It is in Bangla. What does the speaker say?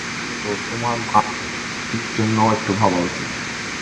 দ্বিতীয়ত তোমার মা এবং স্ত্রীর জন্যও একটু ভাবা উচিত।